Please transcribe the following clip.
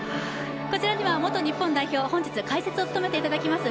こちらには元日本代表、本日、解説を務めていただきます